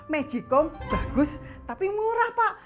megikom bagus tapi murah pak